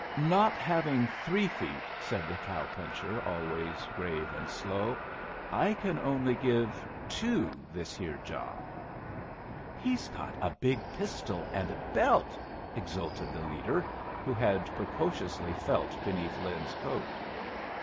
"Not having three feet," said the cow puncher, always grave and slow, "I can only give two this here job." "He's got a big pistol and a belt!" exulted the leader, who had precociously felt beneath Lin's coat.